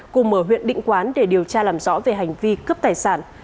cùng ở huyện định quán để điều tra làm rõ về hành vi cướp tài sản